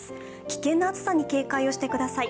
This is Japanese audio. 危険な暑さに警戒をしてください。